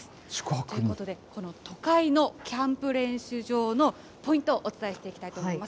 ということで、この都会のキャンプ練習場のポイントをお伝えしていきたいと思います。